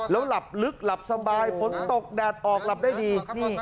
แล้วหลับลึกหลับสบายฝนตกแดดออกหลับได้ดี